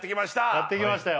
やってきましたよ